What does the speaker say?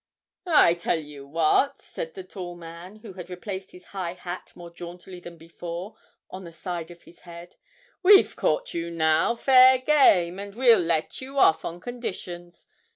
'I tell you what,' said the tall man, who had replaced his high hat more jauntily than before on the side of his head, 'We've caught you now, fair game, and we'll let you off on conditions.